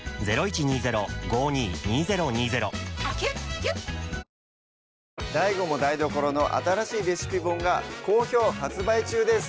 きれいにはできますＤＡＩＧＯも台所の新しいレシピ本が好評発売中です